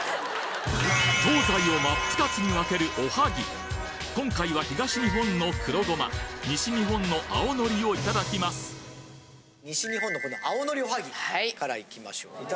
東西を真っ二つに分けるおはぎ今回は東日本の黒ごま西日本の青のりをいただきます西日本のこの青のりおはぎからいきましょう。